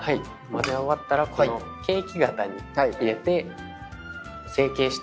混ぜ終わったらこのケーキ型に入れて成型していきます。